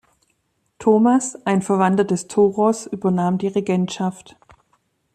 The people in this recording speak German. Thomas, ein Verwandter des Thoros, übernahm die Regentschaft.